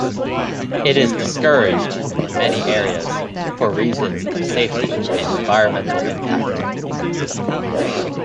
It is discouraged in many areas, for reasons of safety and environmental impact.